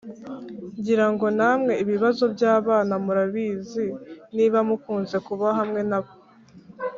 Ngirango namwe ibibazo by’abana murabizi niba mukunze kuba hamwe na bo,